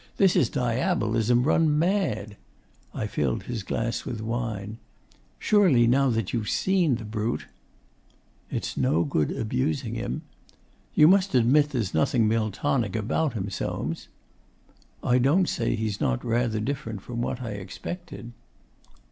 This is Diabolism run mad!' I filled his glass with wine. 'Surely, now that you've SEEN the brute ' 'It's no good abusing him.' 'You must admit there's nothing Miltonic about him, Soames.' 'I don't say he's not rather different from what I expected.